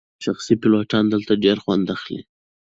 شخصي پیلوټان دلته ډیر خوند اخلي